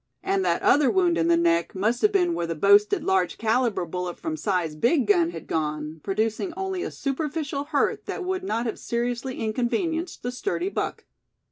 And that other wound in the neck must have been where the boasted large calibre bullet from Si's big gun had gone, producing only a superficial hurt that would not have seriously inconvenienced the sturdy buck.